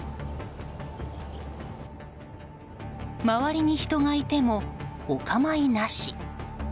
周りに人がいても、お構いなし。